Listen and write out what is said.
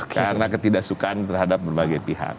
karena ketidaksukaan terhadap berbagai pihak